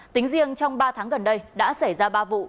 tính riêng trong ba tháng gần đây đã xảy ra ba vụ